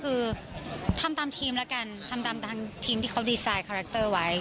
คือทำตามทีมแล้วกันทำตามทีมที่เขาดีไซน์คาแรคเตอร์ไว้